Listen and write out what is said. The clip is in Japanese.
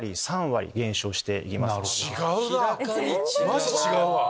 マジ違うわ。